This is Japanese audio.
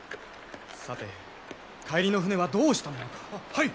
さて帰りの船はどうしたものか。ははい！